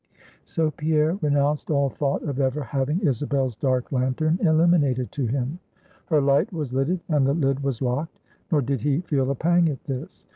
So Pierre renounced all thought of ever having Isabel's dark lantern illuminated to him. Her light was lidded, and the lid was locked. Nor did he feel a pang at this.